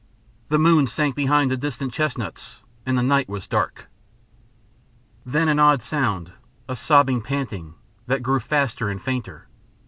The moon sank behind the distant chestnuts and the night was dark. Then an odd sound, a sobbing panting, that grew faster and fainter.